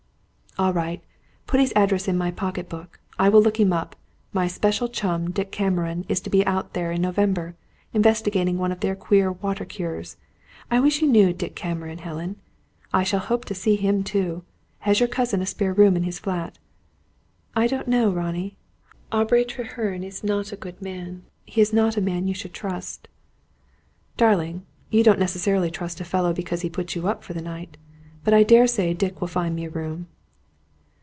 "All right. Put his address in my pocket book. I will look him up. My special chum, Dick Cameron, is to be out there in November, investigating one of their queer water cures. I wish you knew Dick Cameron, Helen. I shall hope to see him, too. Has your cousin a spare room in his flat?" "I do not know. Ronnie, Aubrey Treherne is not a good man. He is not a man you should trust." "Darling, you don't necessarily trust a fellow because he puts you up for the night. But I daresay Dick will find me a room."